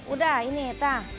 udah ini tuh